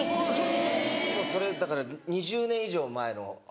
もうそれだから２０年以上前のお話。